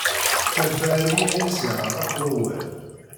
Terfa armi ay as-yeɛreq wawal.